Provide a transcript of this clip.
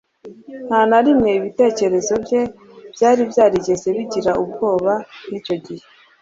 Nta na rimwe ibitekerezo bye byari byarigeze bigira ubwoba nk’icyo gihe